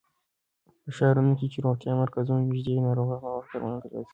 په ښارونو کې چې روغتيايي مرکزونه نږدې وي، ناروغان په وخت درملنه ترلاسه کوي.